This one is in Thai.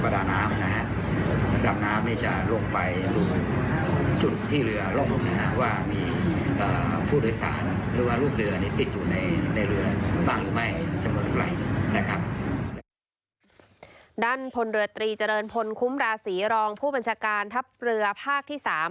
ด้านพลเรือตรีเจริญพลคุ้มราศีรองผู้บัญชาการทัพเรือภาคที่๓